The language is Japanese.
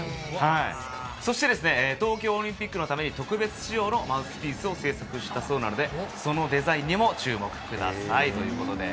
そして東京オリンピックのために特別仕様のマウスピースを製作したそうなので、そのデザインにも注目ください。